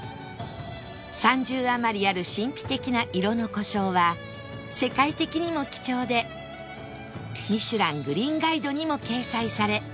３０余りある神秘的な色の湖沼は世界的にも貴重で『ミシュラン・グリーンガイド』にも掲載され